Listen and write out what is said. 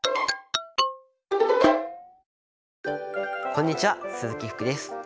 こんにちは鈴木福です。